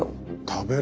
食べる！